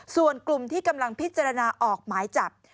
ส่วนกลุ่มที่กำลังพิจารณาออกหมายจับ